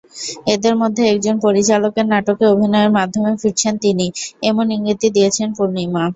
এঁদের মধ্যে একজন পরিচালকের নাটকে অভিনয়ের মাধ্যমে ফিরছেন তিনি—এমন ইঙ্গিতই দিয়েছেন পূর্ণিমা।